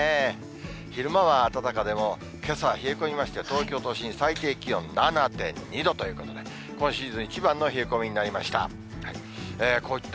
昼間は暖かでも、けさは冷え込みまして、東京都心、最低気温７．２度ということで、今シーズン一番の冷え込みになりました。